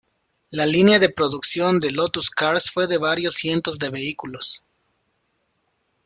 La línea de producción de Lotus Cars fue de varios cientos de vehículos.